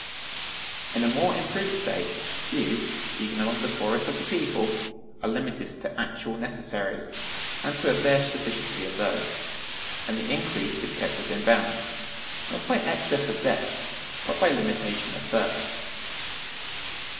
(2.) In a more improved state, few, even among the poorest of the people, are limited to actual necessaries, and to a bare sufficiency of those: and the increase is kept within bounds, not by excess of deaths, but by limitation of births.